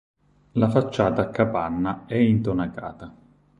La facciata a capanna è intonacata.